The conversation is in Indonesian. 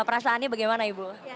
perasaannya bagaimana ibu